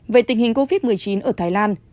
về tình hình covid một mươi chín ở thái lan